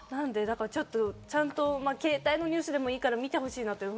だから、ちゃんとケータイのニュースでもいいから見てほしいなと思う。